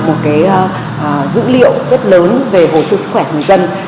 một dữ liệu rất lớn về hồ sơ sức khỏe của người dân